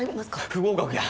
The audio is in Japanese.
不合格や。